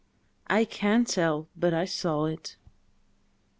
"I can't tell; but I saw it."